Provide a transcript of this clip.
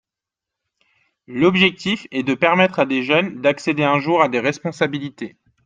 L’objectif est de permettre à des jeunes d’accéder un jour à des responsabilités.